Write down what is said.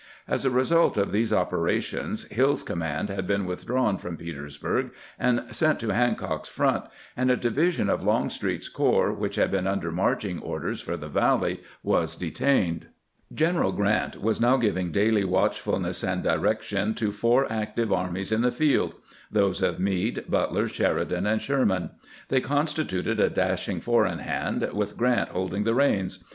As a result of these operations, Hill's command had been withdrawn from Petersburg and sent to Hancock's front, and a division of Longstreet's corps, which had been under marching orders for the Valley, was detained. G eneral Grant was now giving daily watchfulness and direction to four active armies in the field — those of Meade, Butler, Sheridan, and Sherman. They consti tuted a dashing four in hand, with Grant holding the reins.